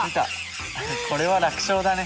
これは楽勝だね。